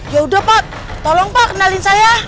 yaudah pak tolong pak kenalin saya